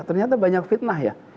ternyata banyak fitnah ya